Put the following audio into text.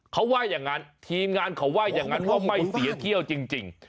เขาว่าอย่างนั้นทีมงานเขาว่าอย่างนั้นว่าไม่เสียเที่ยวจริง